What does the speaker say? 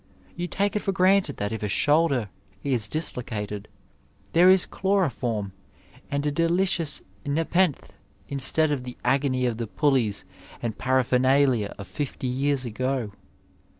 You take it for granted that if a shoulder is dislocated there is chlorofonn and a delicious Nepenthe instead of the agony of the pulleys and paraphernalia of fifty yeais ago.